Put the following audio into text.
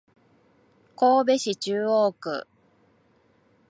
神戸市中央区